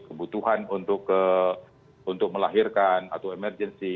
kebutuhan untuk melahirkan atau emergency